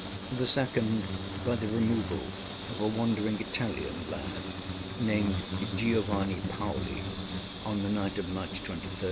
The second, by the removal of a wandering Italian lad, named Giovanni Paoli, on the night of March 23, 1805.